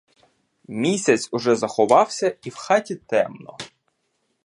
Місяць уже заховався, і в хаті темно.